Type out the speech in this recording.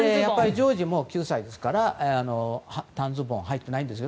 ジョージは９歳ですから短ズボンはいてないんです。